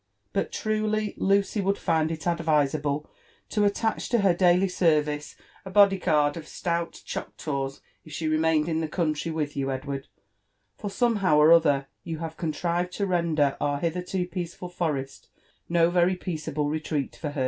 But truly Lucy would find it advisable to attach (o her daily service a body guard of stout Choctaws if she remained in (he country wi(h you, Edward, for some how or o(her you have contrived (o render our hitherto peaceful forest BO very peaceable retreat for her."